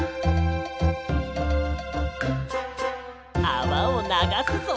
あわをながすぞ。